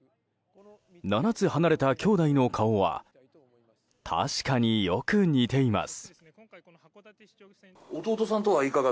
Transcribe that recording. ７つ離れた兄弟の顔は確かによく似ています。